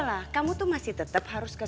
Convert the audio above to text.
gak magas juga